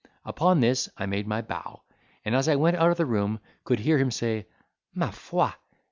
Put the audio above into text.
Upon this I made my bow, and as I went out of the room could hear him say, "Ma foi!